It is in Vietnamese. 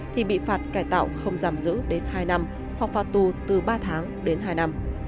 thì bị phạt cải tạo không giam giữ đến hai năm hoặc phạt tù từ ba tháng đến hai năm